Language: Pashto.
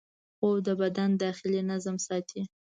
خوب د بدن داخلي نظم ساتي